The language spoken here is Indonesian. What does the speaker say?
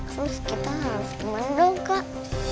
terus kita harus kemana dong kak